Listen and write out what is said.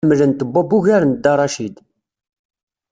Ḥemmlent Bob ugar n Dda Racid.